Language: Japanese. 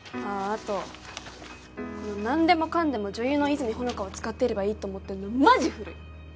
あと何でもかんでも女優の和泉ほのかを使ってればいいと思ってんのマジ古い！